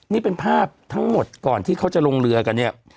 นี่เป็นภาพทั้งหมดก่อนที่เขาจะลงเรือกันเนี่ย